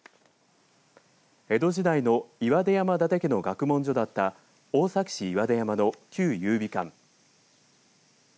江戸時代の岩出山伊達家の学問所だった大崎市岩出山の旧有備館。